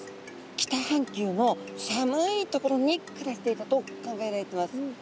北半球の寒い所に暮らしていたと考えられてます。